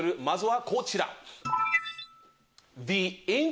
まずはこちら。